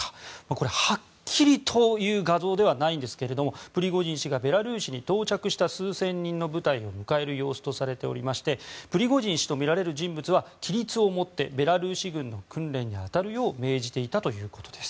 これ、はっきりという画像ではないんですがプリゴジン氏がベラルーシに到着した数千人の部隊を迎える様子とされておりましてプリゴジン氏とみられる人物は規律を持ってベラルーシ軍の訓練に当たるよう命じていたということです。